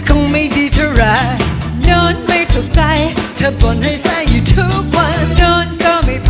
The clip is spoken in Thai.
ขออนุญาตรองเพลงพูดกับพี่ปู๊สับเพียง